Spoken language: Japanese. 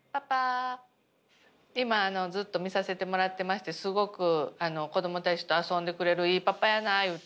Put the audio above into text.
今あのずっと見させてもらってましてすごく子どもたちと遊んでくれるいいパパやなあ